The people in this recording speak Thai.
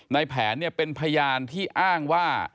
ในแผนเป็นพยานที่อ้างว่า